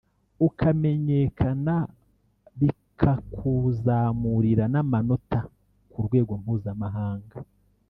ukamenyekana bikakuzamurira n’amanota ku rwego mpuzamahanga